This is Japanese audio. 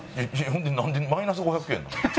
ほんでなんでマイナス５００円なの？